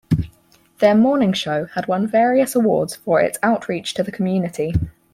Their morning show had won various awards for its outreach to the community.